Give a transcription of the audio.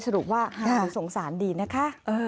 สรุปว่าหายสงสารดีนะคะ